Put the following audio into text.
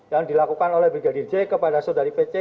yang dilakukan oleh brigadir j kepada saudari pc